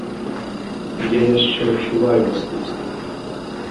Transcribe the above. Я яшчэ адчуваю наступствы.